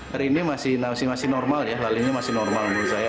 hari ini masih normal ya lalinya masih normal menurut saya